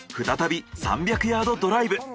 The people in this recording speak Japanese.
再び３００ヤードドライブ。